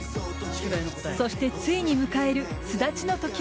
そして、ついに迎える巣立ちの時。